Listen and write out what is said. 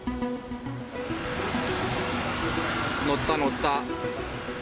乗った、乗った。